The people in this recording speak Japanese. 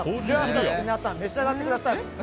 早速、皆さん召し上がってください。